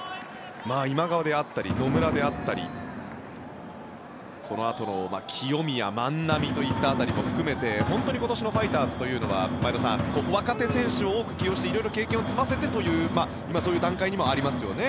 今川であったり野村であったりこのあとの清宮、万波といった辺りも含めて本当に今年のファイターズというのは前田さん若手選手を多く起用して色々、経験を積ませてという段階にもありますよね。